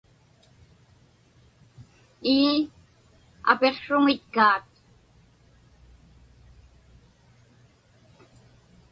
Ii, apiqsruŋitkaat.